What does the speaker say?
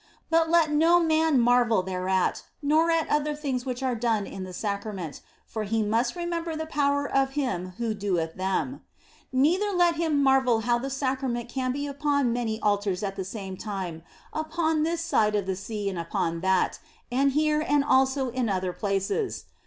But let no man marvel thereat, nor at other things which are done in the Sacrament, for he must remember the power of Him who doeth them. Neither let him marvel how the 148 THE BLESSED ANGELA Sacrament can be upon many altars at the same time, upon this side of the sea and upon that, and here and also in other places.